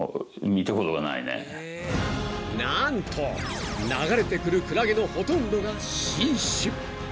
［なんと流れてくるクラゲのほとんどが新種］